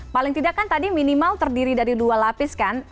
paling tidak kan tadi minimal terdiri dari dua lapis kan